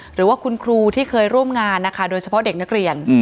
หรือว่าคุณครูที่เคยร่วมงานนะคะโดยเฉพาะเด็กนักเรียน